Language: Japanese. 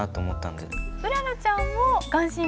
うららちゃんも顔真？